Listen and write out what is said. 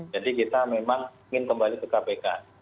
jadi kita memang ingin kembali ke kpk